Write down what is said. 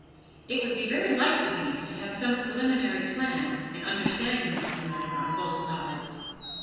It would be very like the bees to have some preliminary plan and understanding about the matter on both sides.